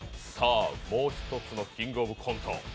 もう１つの「キングオブコント」。